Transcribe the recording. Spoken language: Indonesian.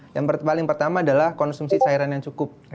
yang paling pertama adalah konsumsi cairan yang cukup